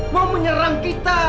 mau menyerang kita